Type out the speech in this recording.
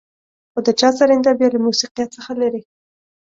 خو د چا سرېنده بيا له موسيقيت څخه لېرې.